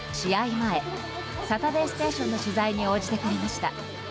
前「サタデーステーション」の取材に応じてくれました。